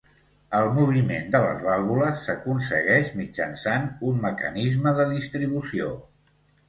El moviment de les vàlvules s'aconsegueix mitjançant un mecanisme de distribució.